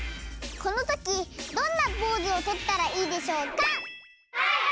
このときどんなポーズを取ったらいいでしょうか？